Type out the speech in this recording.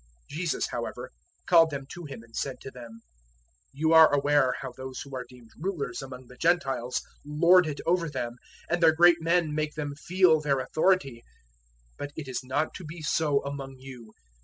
010:042 Jesus, however, called them to Him and said to them, "You are aware how those who are deemed rulers among the Gentiles lord it over them, and their great men make them feel their authority; 010:043 but it is not to be so among you.